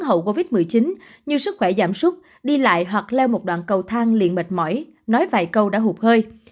hậu covid một mươi chín như sức khỏe giảm súc đi lại hoặc leo một đoạn cầu thang liền mệt mỏi nói vài câu đã hụt hơi